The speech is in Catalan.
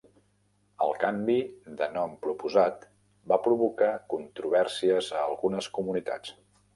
El canvi de nom proposat va provocar controvèrsies a algunes comunitats.